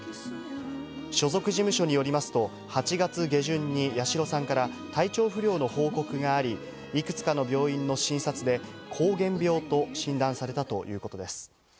所属事務所によりますと、８月下旬に八代さんから体調不良の報告があり、いくつかの病院の診察で膠原病と診断されたということです。